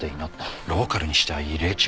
ローカルにしては異例中の異例だよ。